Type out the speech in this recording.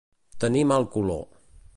Tenir mal color.